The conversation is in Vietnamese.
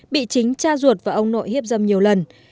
bị chính cha ruột và ông nội hiếp dâm nhiều lần